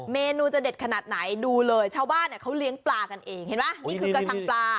เมนูจะเด็ดขนาดไหนดูเลยเช้าบ้านเขาเลี้ยงปลากันเองเห็นไหม